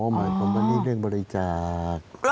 หมายความว่านี่เรื่องบริจาค